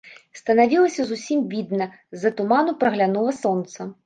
Станавілася зусім відна, з-за туману праглянула сонца.